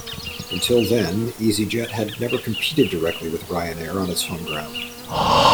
Until then, EasyJet had never competed directly with Ryanair on its home ground.